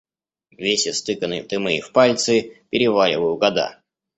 Весь истыканный в дымы и в пальцы, переваливаю года.